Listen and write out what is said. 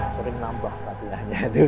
sering nambah kasihannya